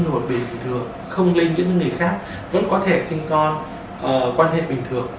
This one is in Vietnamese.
một bệnh bình thường không lây nhiễm đến người khác vẫn có thể sinh con quan hệ bình thường